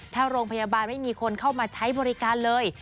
ถ้าโรงพยาบาลไม่มีคนเข้ามาใช้บริการเลย